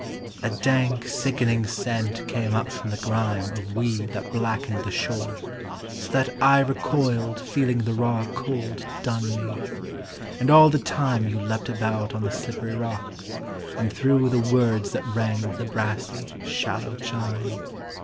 A dank, sickening scent came up from the grime Of weed that blackened the shore, so that I recoiled Feeling the raw cold dun me: and all the time You leapt about on the slippery rocks, and threw The words that rang with a brassy, shallow chime.